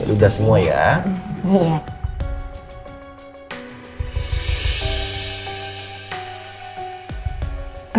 udah semua ya